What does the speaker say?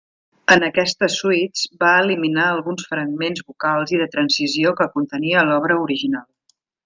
En aquestes suites va eliminar alguns fragments vocals i de transició que contenia l'obra original.